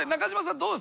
どうですか？